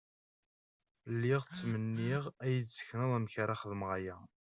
Lliɣ ttmenniɣ ad yi-d-sekneḍ amek ara xedmeɣ aya.